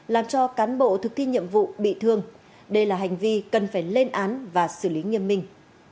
làm cho cán bộ thực thi nhiệm vụ bị thương đây là hành vi cần phải lên án và xử lý nghiêm minh